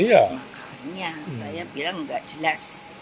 makanya saya bilang tidak jelas